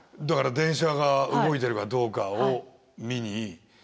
だから電車が動いてるかどうかを見に。